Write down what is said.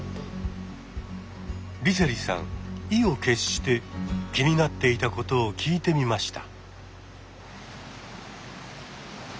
梨星さん意を決して気になっていたことを聞いてみました。